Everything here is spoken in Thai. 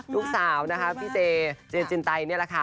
ลูกสาวนะคะพี่เจเจนจินไตนี่แหละค่ะ